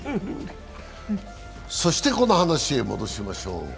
そしてこの話へ話を戻しましょう。